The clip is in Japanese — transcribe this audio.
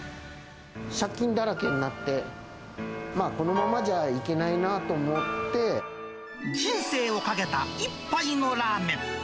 借金だらけになって、このま人生をかけた一杯のラーメン。